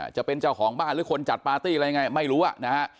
จะเป็นเจ้าของบ้านหรือคนจัดปาร์ตี้อะไรยังไงไม่รู้อ่ะนะฮะ